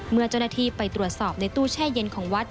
เมื่อเจ้าหน้าที่ไปตรวจสอบในตู้แช่เย็นของวัด